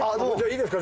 いいですか？